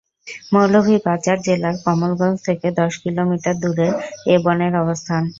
মৌলভীবাজার জেলার কমলগঞ্জ থেকে দশ কিলোমিটার দূরের এ বনের অবস্থান।